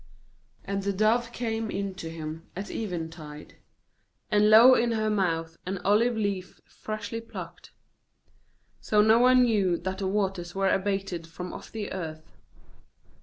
uAnd the dove came in to him at eventide; and lo in her mouth an olive leaf freshly plucked; so Noah knew that the waters were abated from off the earth.